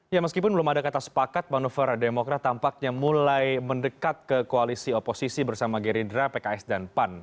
ya meskipun belum ada kata sepakat manuver demokrat tampaknya mulai mendekat ke koalisi oposisi bersama gerindra pks dan pan